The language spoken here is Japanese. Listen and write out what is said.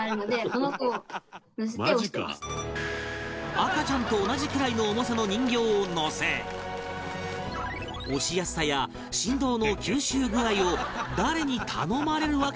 赤ちゃんと同じくらいの重さの人形を乗せ押しやすさや振動の吸収具合を誰に頼まれるわけでもなく独自に調査